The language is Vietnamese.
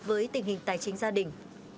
với tình hình tài chính gia đình